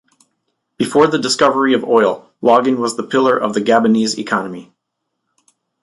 Before the discovery of oil, logging was the pillar of the Gabonese economy.